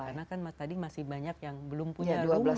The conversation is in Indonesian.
karena kan tadi masih banyak yang belum punya rumah